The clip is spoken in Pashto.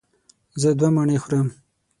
زه دوه مڼې خورم.